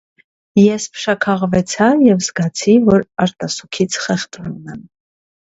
Ես փշաքաղվեցա և զգացի, որ արտասուքից խեղդվում եմ.